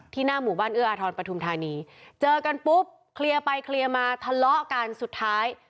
หน้าหมู่บ้านเอื้ออาทรปฐุมธานีเจอกันปุ๊บเคลียร์ไปเคลียร์มาทะเลาะกันสุดท้าย